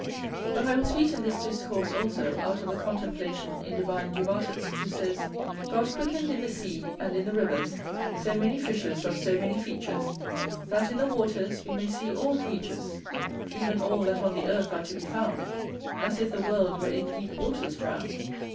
But I will sweeten this discourse also out of a contemplation in divine Du Bartas, who says: God quickened in the sea, and in the rivers, So many fishes of so many features, That in the waters we may see all creatures, Even all that on the earth are to be found, As if the world were in deep waters drown'd.